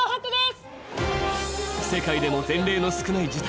世界でも前例の少ない事態。